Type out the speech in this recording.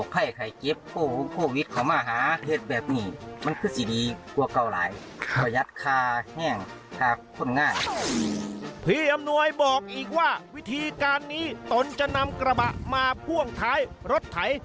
พี่อำนวยบอกอีกว่าวิธีการนี้ตนจะนำกระบะมาพ่วงท้ายรถไถ